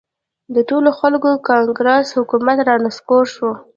د ټولو خلکو کانګرس حکومت را نسکور شو.